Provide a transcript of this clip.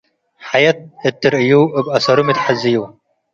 ሐየት እት ትርእዩ፡ እብ አሰሩ ሚትሐዝዩ።